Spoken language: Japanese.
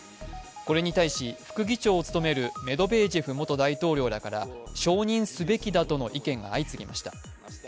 これに対し、副議長を務めるメドベージェフ元大統領らから承認すべきだとの意見が相次ぎました。